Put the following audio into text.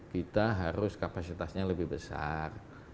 kita harus kapasitasnya lebih besar